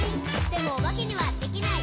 「でもおばけにはできない」